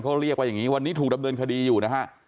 เขาเรียกว่าอย่างนี้วันนี้ถูกดำเนินคดีอยู่นะฮะ